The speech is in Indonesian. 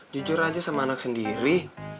jujur aja sama anak sendiri